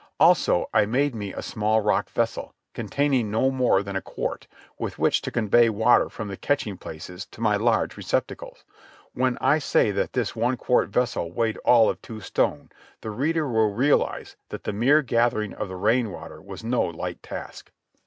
Also, I made me a small rock vessel, containing no more than a quart, with which to convey water from the catching places to my large receptacles. When I say that this one quart vessel weighed all of two stone, the reader will realize that the mere gathering of the rainwater was no light task.